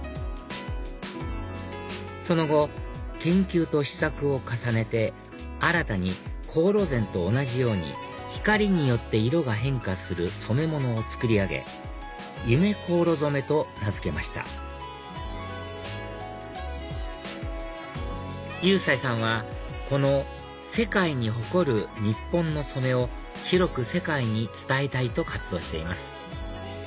その後研究と試作を重ねて新たに黄櫨染と同じように光によって色が変化する染め物を作り上げ夢こうろ染と名付けました祐斎さんはこの世界に誇る日本の染めを広く世界に伝えたいと活動しています